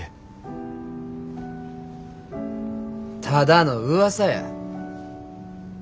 ただのうわさや。